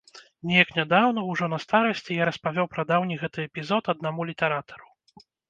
Неяк нядаўна, ужо на старасці, я распавёў пра даўні гэты эпізод аднаму літаратару.